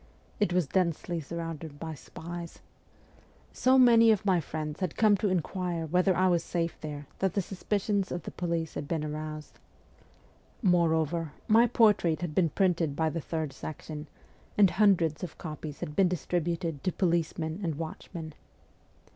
It was densely surrounded by spies. So many of my friends had come to inquire whether I was safe there that the suspicions of the police had been aroused. Moreover, my portrait had been printed by the Third Section, and hundreds of copies had been distributed to policemen and watchmen.